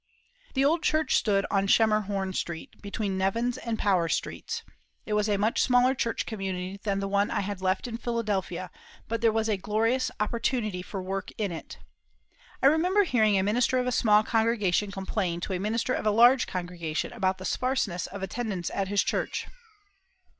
The old church stood on Schemerhorn Street, between Nevins and Power Streets. It was a much smaller church community than the one I had left in Philadelphia, but there was a glorious opportunity for work in it. I remember hearing a minister of a small congregation complain to a minister of a large congregation about the sparseness of attendance at his church.